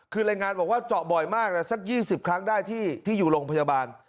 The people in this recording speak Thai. คือรายงานบอกว่าเจาะบ่อยมากนะสัก๒๐ครั้งได้ที่อยู่โรงพยาบาล